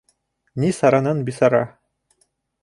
Ни саранан бисара.